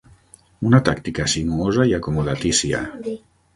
Una tàctica sinuosa i acomodatícia.